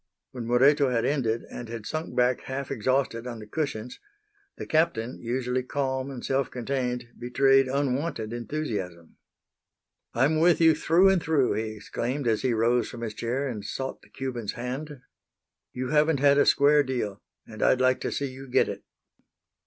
When Moreto had ended and had sunk back half exhausted on the cushions the Captain, usually calm and self contained, betrayed unwonted enthusiasm. "I'm with you through and through," he exclaimed as he rose from his chair and sought the Cuban's hand. "You haven't had a square deal, and I'd like to see you get it."